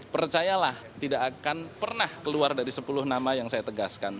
percayalah tidak akan pernah keluar dari sepuluh nama yang saya tegaskan